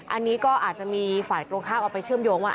อันนี้ก็อาจจะมีฝ่ายตรงข้ามเอาไปเชื่อมโยงว่า